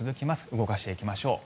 動かしていきましょう。